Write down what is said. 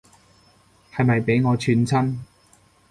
係咪畀我串親